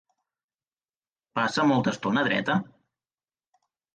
Passa molta estona dreta?